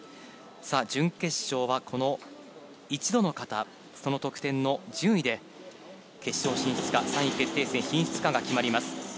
準決勝は、この一度の形、その得点の順位で、決勝進出か３位決定戦進出かが決まります。